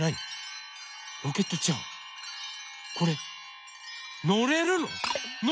ロケットちゃんこれのれるの？